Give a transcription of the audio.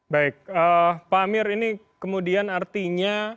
baik pak amir ini kemudian artinya